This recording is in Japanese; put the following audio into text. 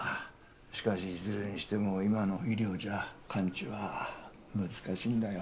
しかしいずれにしても今の医療じゃ完治は難しいんだよ